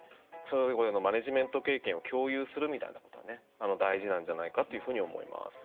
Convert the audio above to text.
マネージメント経験を共有するみたいなことが大事なんじゃないかと思います。